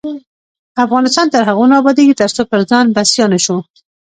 افغانستان تر هغو نه ابادیږي، ترڅو پر ځان بسیا نشو.